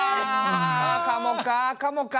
ああかもかかもか。